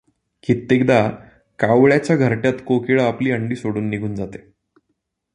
कित्येकदा कावळ्याच्या घरट्यात कोकिळा आपली अंडी सोडून निघून जाते.